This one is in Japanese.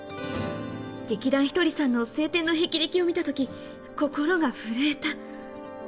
劇団ひとりさんの晴天の霹靂を見たとき、心が震えた。